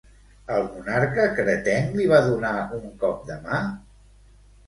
El monarca cretenc li va donar un cop de mà?